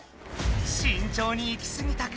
しんちょうにいきすぎたか？